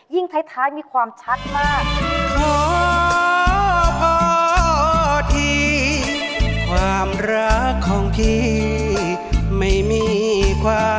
ยิ่งไท้มีความชัดมาก